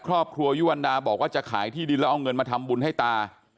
ยุวรรณดาบอกว่าจะขายที่ดินแล้วเอาเงินมาทำบุญให้ตา